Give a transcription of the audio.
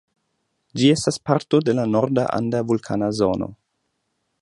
Ĝi estas parto de la Norda Anda Vulkana Zono.